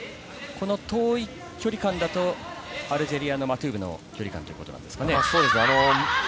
この遠い距離感だと、アルジェリアのマトゥーブの距離感ということですか？